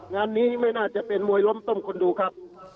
งานนี้ไม่น่าจะเป็นมวยล้มต้มคนดูครับ